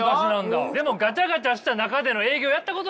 でもガチャガチャした中での営業やったことないでしょ？